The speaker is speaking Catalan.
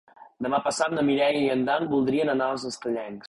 Demà passat na Mireia i en Dan voldrien anar a Estellencs.